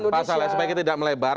pasalnya supaya kita tidak melebar